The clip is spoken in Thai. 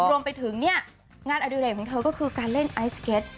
รวมไปถึงเนี่ยงานอดิเรกของเธอก็คือการเล่นไอสเก็ต